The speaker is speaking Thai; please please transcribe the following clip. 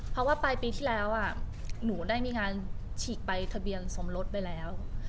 เพราะว่าปลายปีที่แล้วหนูได้มีงานฉีกใบทะเบียนสมรสไปแล้ว